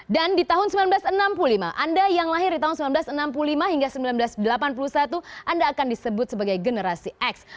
dan di tahun seribu sembilan ratus enam puluh lima anda yang lahir di tahun seribu sembilan ratus enam puluh lima hingga seribu sembilan ratus delapan puluh satu anda akan disebut sebagai generasi x